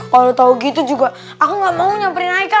kalau tahu gitu juga aku nggak mau nyamperin aika